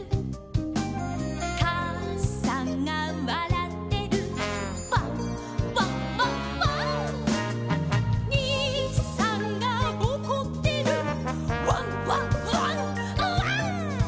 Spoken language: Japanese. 「かあさんがわらってる」「ワンワンワンワン」「にいさんがおこってる」「ワンワンワンワン」